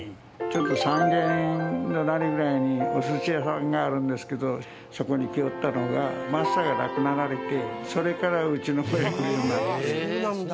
ちょっと３軒隣ぐらいにお寿司屋さんがあるんですけどそこに来よったのがマスターが亡くなられてそれからうちの方へ来るように。